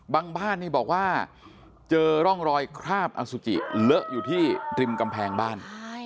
บ้านนี่บอกว่าเจอร่องรอยคราบอสุจิเลอะอยู่ที่ริมกำแพงบ้าน